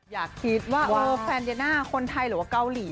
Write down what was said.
อย่าคิดว่าแฟนเยน่าคนไทยหรือว่าเกาหลี